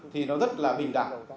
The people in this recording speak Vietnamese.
thì nó rất là bình đẳng